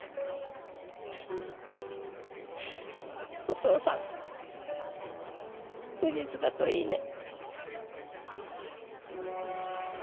お父さん無実だといいね。